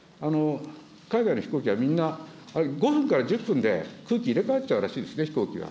海外の飛行機はみんなあれ、５分から１０分で、空気入れ代わっちゃうらしいんですね、飛行機は。